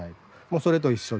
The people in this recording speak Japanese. それと一緒で。